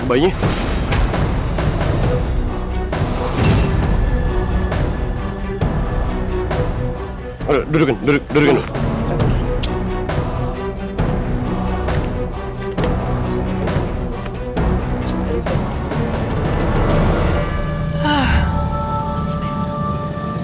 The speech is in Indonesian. aduh dudukin dudukin